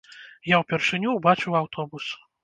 Я ўпершыню ўбачыў аўтобус.